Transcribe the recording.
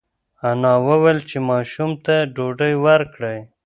انا وویل چې ماشوم ته ډوډۍ ورکړئ.